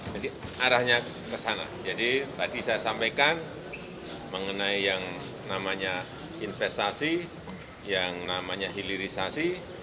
jadi arahnya ke sana jadi tadi saya sampaikan mengenai yang namanya investasi yang namanya hilirisasi